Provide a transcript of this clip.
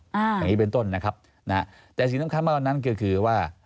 อย่างนี้เป็นต้นนะครับนะฮะแต่สิ่งสำคัญมากกว่านั้นก็คือว่า